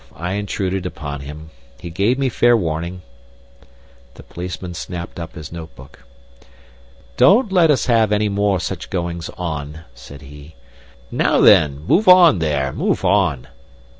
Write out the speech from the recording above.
I intruded upon him. He gave me fair warning." The policeman snapped up his notebook. "Don't let us have any more such goings on," said he. "Now, then! Move on, there, move on!"